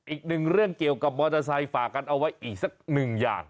อีกหนึ่งเรื่องเกี่ยวกับมอเตอร์ไซค์ฝากกันเอาไว้อีกสักหนึ่งอย่าง